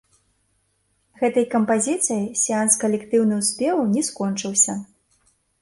Гэтай кампазіцыяй сеанс калектыўных спеваў не скончыўся.